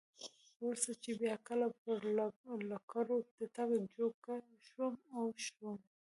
وروسته چې بیا کله پر لکړو د تګ جوګه شوم او ښه وم.